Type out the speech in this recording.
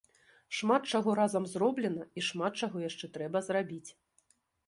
Шмат чаго разам зроблена і шмат чаго яшчэ трэба зрабіць.